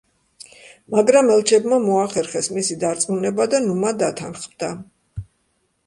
მაგრამ ელჩებმა მოახერხეს მისი დარწმუნება და ნუმა დათანხმდა.